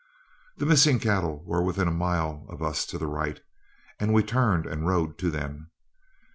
The missing cattle were within a mile of us to the right, and we turned and rode to them.